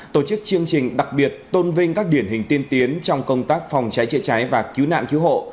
tổ chức chương trình đặc biệt tôn vinh các điển hình tiên tiến trong công tác phòng cháy chữa cháy và cứu nạn cứu hộ